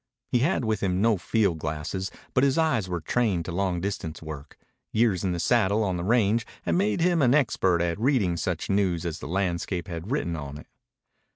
He had with him no field glasses, but his eyes were trained to long distance work. Years in the saddle on the range had made him an expert at reading such news as the landscape had written on it.